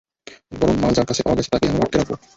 বরং মাল যার কাছে পাওয়া গেছে তাকেই আমরা আটকে রাখব।